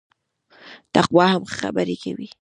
تقوا هم ښه خبري کوي